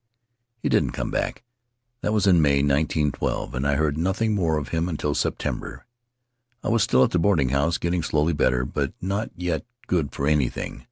"He didn't come back. That was in Mav, nineteen twelve, and I heard nothing more of him until Septem ber. I was still at the boarding house, getting slowly better, but not yet good for anything.